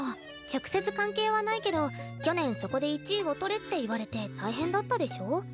直接関係はないけど去年そこで１位を取れって言われて大変だったでしょ？